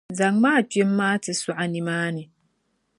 Zaŋm’ a kpim’ maa ti sɔɣi nimaani.